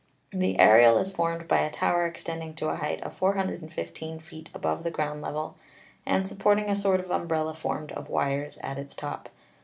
The aerial is formed by a tower extending to a height of 415 feet above the ground level, and supporting a sort of umbrella formed of wires at its top.